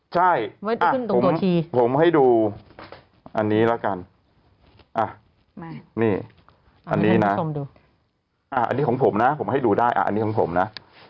ใช่ผมให้ดูอันนี้ละกันนี่อันนี้นะชมดูอันนี้ของผมนะผมให้ดูได้อันนี้ของผมนะ